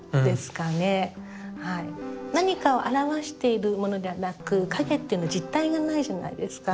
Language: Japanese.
何かを表しているものではなく影というのは実体がないじゃないですか。